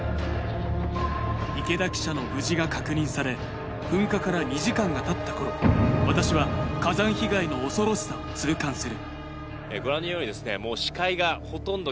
池田記者の無事が確認され、噴火から２時間がたったころ、私は火山被害の恐ろしさを痛感する。